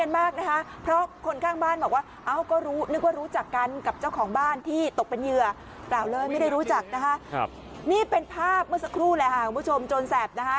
นี่เป็นภาพเมื่อสักครู่แหละค่ะคุณผู้ชมจนแสบนะคะ